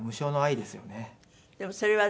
でもそれは何？